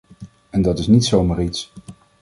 En dat is niet zomaar iets.